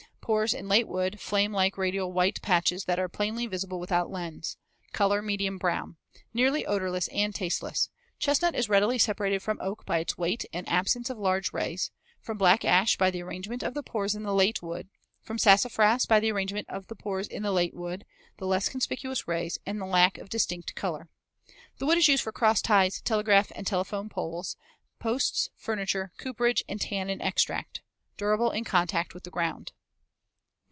Pores in late wood in flame like radial white patches that are plainly visible without lens. Color medium brown. Nearly odorless and tasteless. Chestnut is readily separated from oak by its weight and absence of large rays; from black ash by the arrangement of the pores in the late wood; from sassafras by the arrangement of the pores in the late wood, the less conspicuous rays, and the lack of distinct color. The wood is used for cross ties, telegraph and telephone poles, posts, furniture, cooperage, and tannin extract. Durable in contact with the ground.